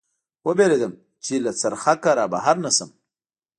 و وېرېدم، چې له څرخک نه را بهر نه شم.